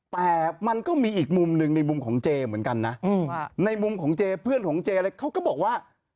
แต่มันก็มีอีกมุมหนึ่งในมุมของเจเหมือนกันนะในมุมของเจเพื่อนของเจอะไรเขาก็บอกว่า